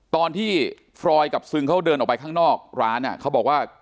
ตอนที่ฟรอยกับซึงเขาเดินออกไปข้างนอกร้านเขาบอกว่า